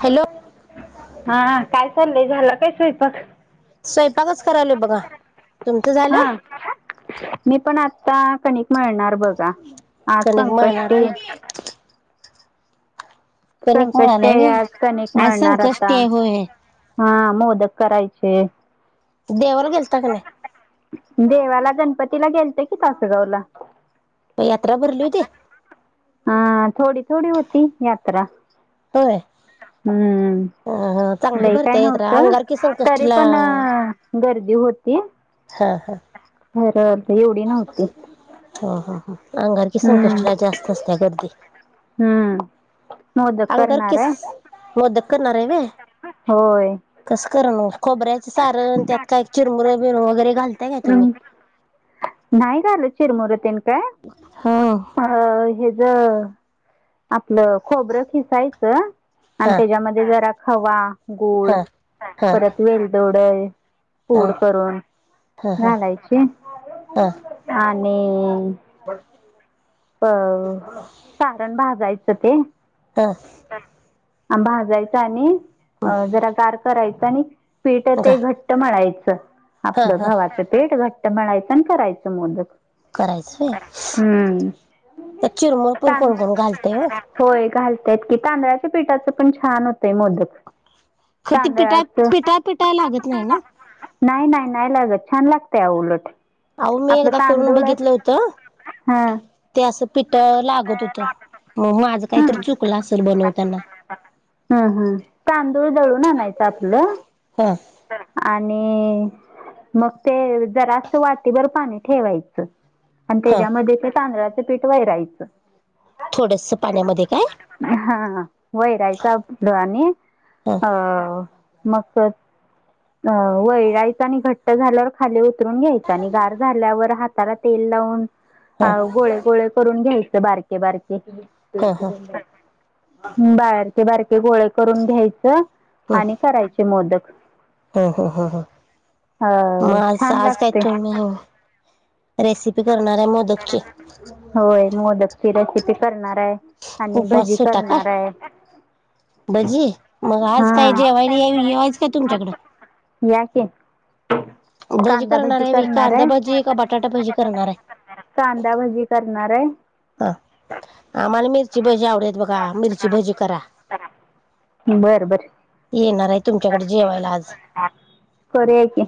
Hello. हा. काय, चाललय? झाला काय स्वयपाक? स्वयंपाकच करायलो बघा. तुमच झाल? हा मी पण आता कणिक मळणार बघा. आज कणिक मळणार संकष्टी आहे कणिक मळालाय संकष्टीय आज, कनीक व्हय आज मळणार संकष्टी आता. आहे होय हा, मोदक करायचे. देवाला गेलता का, नाही? देवाला, गणपतीला गेलते की, तासगावला. यात्रा भरली होती? हा, थोडी- थोडी होती, यात्रा. होय. हम्म. हं हं चांगली लई काय भरते यात्रा नव्हत. अंगारकी तरी संकष्टीला पण गर्दी होती. हा, हा. [unintelligible] एवढी नव्हती. हा, हा, हा. अंगारकी- हम्म संकष्टीला जास्त असत्या गर्दी. हम्म. मोदक करणार अंगारकीस, आहे मोदक करणारय होय? होय. कस करण मग. खोबऱ्याच सारण, त्यात काय चिरमुरे बिरमू वगैरे, घालताय काय तुम्ही? हम्म. नाही घालत, चिरमुरे ते न काय. हो. अ हेज, आपल खोबर खिसायच, अन् हा त्याच्यामध्ये जरा खवा गुळ, हा हा परत वेलदोडे हा पूड करून हा हा घालायची. आणि बस. प अ सारण भाजायच ते. ह. [unintelligible] भाजायच. आणि अ जरा गार करायच. आणि पीठ गा ते घट मळायच. हा आपल हा गव्हाच पीठ, घट्ट मळायच आणि करायच मोदक. करायच होय. हम्म त्यात चिरमुर पण तां कोण- कोण घालतय व. होय, घालत्यात की. तांदळाच्या पीठाच पण छान होतय मोदक. हो, ते पिटाळ, तांदळाचं पिटाळ- पिटाळ लागत नाही ना. नाही - नाही, नाही लागत. छान लागत आहो उलट. अहो, मी आपलं एकदा करून तांदूळ बघितल होत हां ते अस पिठ अ लागत होत. मग माझ काहीतरी, चुकल असेल बनवताना. ह, ह. तांदूळ दळून आणायच आपल. ह. आणि मग ते जरास, वाटीभर पाणी ठेवायच. आणि हा त्याच्यामध्येच तांदळाच पीठ वैरायच थोडस पाण्यामध्ये काय हा वैरायच दळाणी हा अ मग ते अ वैरायच आणि घट्ट झाल्यावर खाली उतरून घ्यायच आणि गार झाल्यावर हात जरा तेल लावून हा अ गोळे गोळे करून घ्यायच बारके बारके [unintelligible] हा हा हूं बाहेरचे बारके गोळ करून घ्यायचं आणि करायचे मोदक हो हो हो हो अ म छान आज काय लागते तुम्ही रेसिपी करणार हाय मोद होय मोदकची रेसिपी करणार हाय आणि उपवास भजी सुटा का करणारये भजी मग आज काय हा जेवायला ये येयाचं काय तुमच्याकड या की भजी करणार व्हय कांदा भजी का बटाटा भजी करणार हाय कांदाभजी करणार हाय हा आम्हाला मिरची भजी आवडेेत बघा मिरची भजी करा. बरं बर येणार हाय तुमच्याकडे जेवायला आज खर की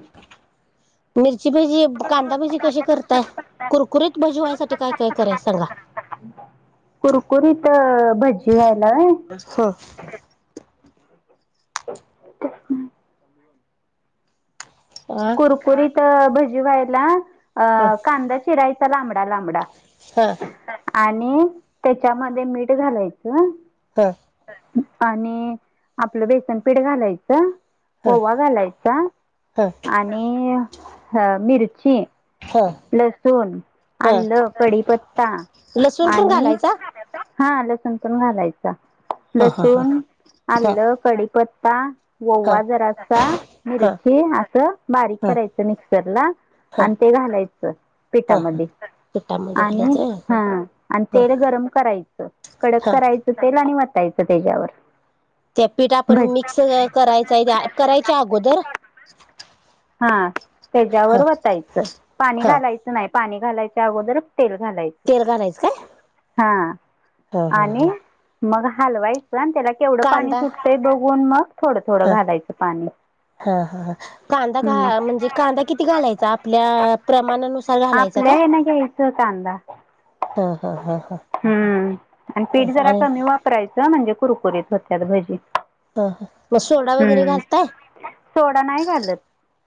मिरची भजी कांदा भजी कशी करताय कुरकुरीत भाजी वयासाठी काय काय कराय सांगा कुरकुरीत अ भजी व्हायला अ हो [unintelligible] [unintelligible] आ कुरकुरीत अ भजी व्हायला अ ह कांदा चिरायचा लांबडा लांबडा हा आणि त्याच्यामध्ये मीठ घालायचं हं आणि आपलं बेसन पीठ घालायचं ओवा घालायचा ह आणि हं मिरची ह लसूण, ह आलं, कढीपत्ता लसूण पण आणि घालायचा हा लसूण पण घालायच. लसूण ह आलं, कडीपत्ता, ह ओवा जरासा ह मिरची अस स बारीक ह करायचं मिक्सरला ह आणि ते घालायचं ह पिठामध्ये पिठामध्ये आणि घालायचं हा आणि ह तेल गरम कराय स कडक ह करायचं तेल आणि वतायचं त्याज्यावर त्या पीठ आपण मिक्स करायचय करायच्या अगोदर हा ह त्याज्यावर वतायचं पाणी ह घालाय नाय पाणी घालायच्या अगोदरच तेल घालाय तेल घालायच काय हा हा हा आणि हा मग हलवायचं अनं त्याला केवढं पाणी कांदा सुटतंय बघून मग थोडं हा थोडं घालायचं पाणी हा हा ह. कांदा हम्म. घा, म्हणजे कांदा किती घालायचा, आपल्या प्रमाणानुसार घालायचा काय? चं कांदा, ह्म, पीठ जरा आणि कमी वाप रायच, म्हणजे कुरकुरीत होत्यात भजी. हं, मग सोडा वगैरे हम्म. घालताय,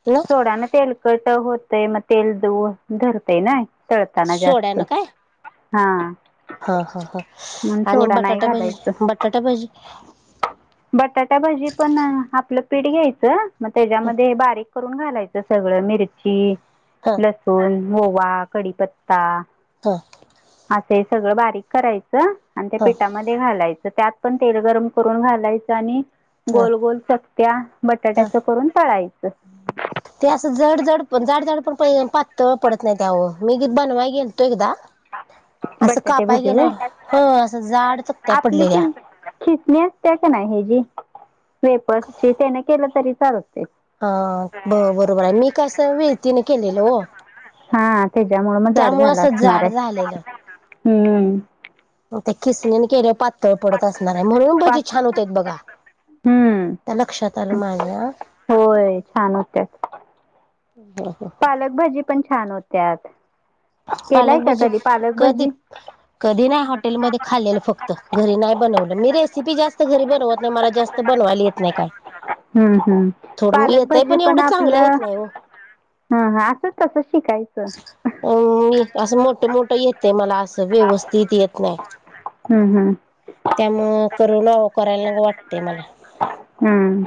मग? सोडा न तेलकट होतय, मग तेल दऊ-धरतय ना. तळताना जास्त, सोड्यानं काय हां. हा हा हा आणि नाही बटाटा भजी, घालायचं बटाटा भजी बटाटा भजी पण आपलं पिठं घ्यायचं, मगं त्याच्यामध्ये हे बारीक करून घालायचं सगळं, मिरची, हा लसूण, ओवा कडीपता. हां. असं हे सगळं बारीक करायचं आणि त्या हा पिठामध् ध्ये घालयच, त्यात पण तेल गरम करून घालायचं आणि हा गोल-गोल चक्त्या हा बटाट्यात्याच्या करून तळायच. ते असं जड-जाड पण, जाड -जाड पातळ पडत नाही त्यावर, मी बनवायला गेल तो एकदा. असं बटाटे कापाया भजी गेल्यावर, व्हय हो असं जाड चक्त्या पडलेल्या. किसणी असते का नाही? ह्याची जी वेपसची त्याने केलं तरी चालते. हा ब-बरोबर ये, मी कस विळकीनी केलेलं, ओ. हां त्याच्यामुळ मग झाड झालं असं असणार जाड हाय, झालेलं. हम्म. म त्या किसणीने केलं पातळ पडत असणार ये, म्हणून भजी पाच छान होत्यात बघा. आता हम्म लक्षात आलं माझ्या लई छान होत्यात. ह, ह, ह,. पालकभजी पण छान होत्यात, केलायं का कधी पालकभजी, हो. कधि नहीं हॉटेलमध्ये खाल्लेलं फक्त, घरी नाही बनवलं, मी रेसिपी जास्त घरी बनवतं नाही, मला जास्त त बनवायला येत नाही काय. हम्म हम्म, थोडं पालक येतय भजी पण एवढं चांगलं आपलं येत नाही हो. हं असं कसं शिकायचं? अ मी असं मोठं-मोठं येत मला, असं व्यवस्थित येत, नाही. हम्म हम्म त्यामुळे [unintelligible] करायला नको वाटतय मला. हम्म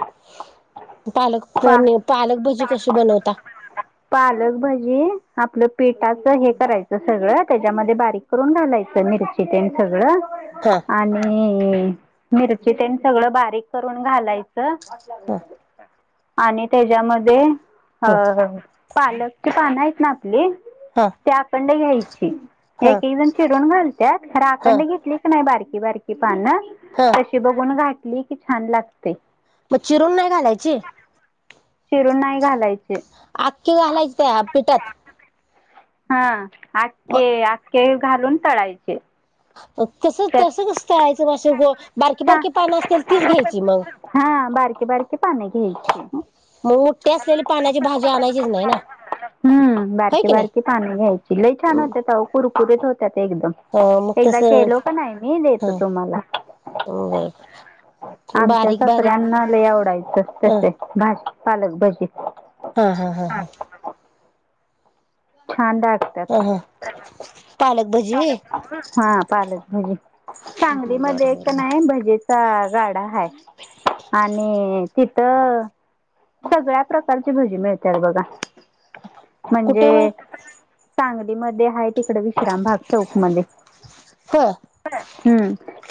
पालक पा पण, पालक भजी कशी बनवता? पालक भजी, आपलं पिठाचं हे करायचं सगळं, त्याच्यामध्ये बारीक करुन घालायचं मिरची ते सगळं. हां. आणि मिरची ते सगळं, बारीक करून घालायचं. अ हा आणि त्याच्यामध्ये हा पालकचे पानं आहेतं ना, आपली? हा ते आपण नई घ्यायची, हा [unintelligible] चिरून घालतात. पण हा अखंड घेतली कि. [unintelligible] नाय बारकि-बारकि पानं. हं. कीं अशी बघून घातली की, छान लागते. मगं चिरून नही घालायची? चिरून नाही घालायची. आखे घालायचे, त्या पिठात. हां, आके मग आक्के घालून तळायचे. तसं त्यात तसचं असतं आईचं भाषण मग बारकी छान बारकी पानं असतात तीच घ्यायची मग. हा बारकी बारकी पानं घ्यायची मग मोठी असलेली पानाची भाजी आणायचीचं नाही ना. हम्म होय बारकी की नाही बारकी पान घ्यायची लई छान होत कुरकुरीत होत्यात एकदम. अ मग एकदा तसं केलं होतं ना आईनी [unintelligible] हा तुम्हाला बरं आमच्या बारीक बारीक सासऱ्यांना लई आवडायचं अ तसेच. [unintelligible] पालक भजे. हां. हां. हां. छान [unintelligible] हम्म पालक भजे. हा पालक भजी सांगली मध्ये एक नाही भजी गाडा हाय आणि तिथं सगळ्यात. प्रकारची भजी मिळतात बघा कुठं व म्हणजे सांगलीमध्ये आहेत. तिकड विश्राम भाग चौक मध्ये ह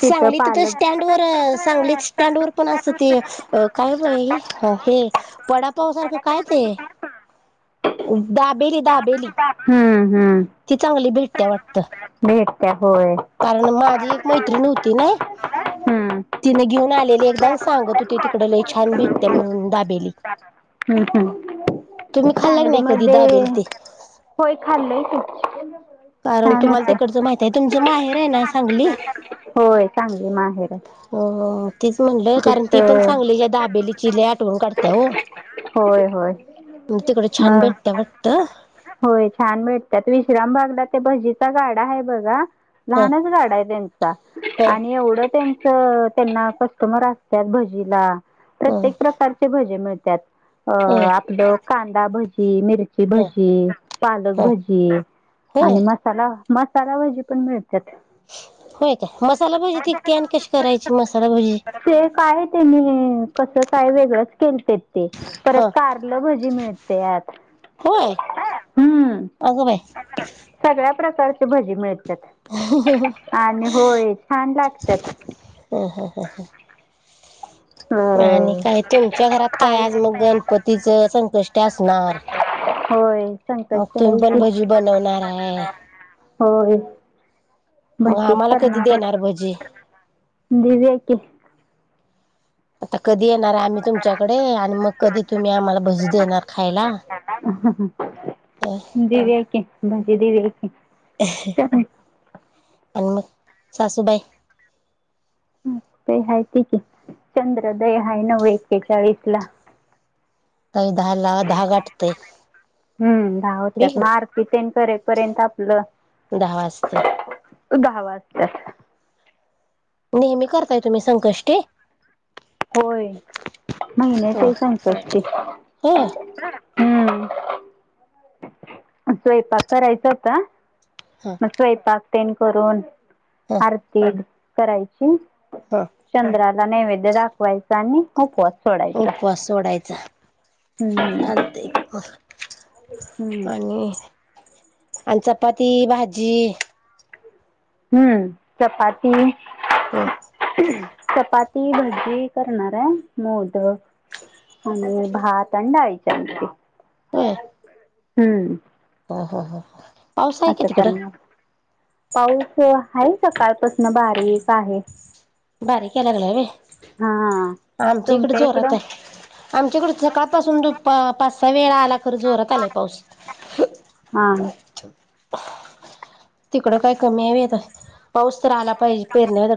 तिथ सांगली तिथं पालक स्टँडवर सांगली स्टँड वर पण अस ते कायबाई हे वडापाव सारखं काय ते? हां दाबेली दाबेली. हम्म हम्म ती चांगली भेटत्या वाटतं. भेटते होय. कारण माझी एक मैत्रिण होती नाय हम्म तिने घेऊन आलेली एकदा सांगत ते तिकडे लई छान भेटते म्हणून दाबेली. हम् हम्म, तुम्ही खाल्ला क नाही कधी सांगलीमध्ये दाबेली ते? होय खाल्लंय की मी. कारण तुम्हाला तिकडचं माहित आहे. तुमचं माहेर आहे ना सांगली? होय चांगली माहेर आहे हो हो तीच म्हणलं कारण ती पण तिथं सांगलीच्या दाबेलीची लय आठवन काढत्या हो होय होय मग तिकड छान मग भेटते वाटत. होय छान भेटतात विश्राम भागला ते भजीचा गाडा आहे बघा. ह लहानच गाडा आहे त्यांचा ह आणि एवढं त्यांच त्यांना कस मर असतात भजीला ह प्रत्येक प्रकारचे भजे मिळतात अ होय आपलं कांदा भजी, मिरची ह भजी, पालक ह भजी होय आणि मस् ला मसाला भजी पण मिळतात. होय का मसाला भजी तिकती आणि कशी करायची मसालाभजी. ते काय त्यांनी कसं काय वेगळंच केलते ते. ह परत कारलं भजी मिळत्यात. होय ग बाय सगळ्या प्रकारचे भजी मिळतात आणि होय छान लागतात. ह हां ह हां आणि अ काय तुमच्या घरात काय आज खायला मग गणपतीचं संकष्टी असणार. होय मग संकष्टी तुम्ही आहे पण की भजी बनवणार आहे होय. मग भजीच आम्हाला कधी करणारय देणार भजी देवुयाकी आता कधी येणार आम्ही तुमच्याकडे आणि मग कधी तुम्ही आम्हाला भजी देणार खायला. [unintelligible] [inaudible] देवुयाकी भजी देवुयाकि. आवो मग सासूबाय? मग ते हायते की द चंद्रोदय हाय नव एकेचाळीस ला. काही दहा ला दहा गाठतेय. गईला कितेन करेपर्यंत आपलं दहा वाजतय. दहा वाजत्यात. नेहमी करताय तुम्ही संकष्टी? होय महिन्याचीय संकष्टी. होय हम्म स्वयंपाक करायचा आता. हां. स्वयंपाक तेन करून हं, आरती करायची. हं. चंद्राला नैवेद्य दाखवायचा आणि उपवास सोडायचा उपवास सोडायचा. हम्म चालतय ह हम्म आणि आणि चपाती -भाजी. हम्म चपाती हो. चपाती भजी करणार आहे. मोदक आणि भात आणि डाळीची आमटी. हम्म. ह हा हा. आता करणार पाऊस आहे सकाळपासन बारीक आहे. बारीक या लागला व्हय. हा आमच्या इकड तुमच्या जोरात इकडं आहे. आमच्याकड सकाळपासून तो प पाच सहा वेळा आला. खर जोरात आलाय पाऊस. हा तिकड काय कमी हाय व्हय येत पाऊस तर आला पाहिजे पेरण्यार